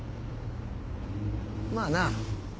まあな。